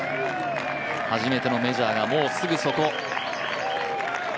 初めてのメジャーがもうすぐそこ。